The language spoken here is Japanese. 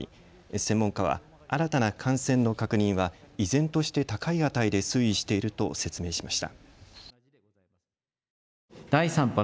専門家は新たな感染の確認は依然として高い値で推移していると説明しました。